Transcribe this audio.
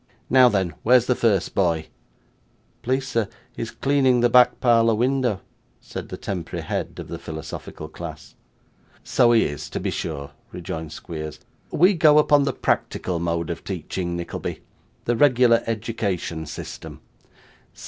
Now, then, where's the first boy?' 'Please, sir, he's cleaning the back parlour window,' said the temporary head of the philosophical class. 'So he is, to be sure,' rejoined Squeers. 'We go upon the practical mode of teaching, Nickleby; the regular education system.